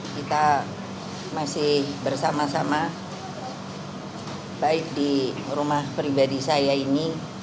kita masih bersama sama baik di rumah pribadi saya ini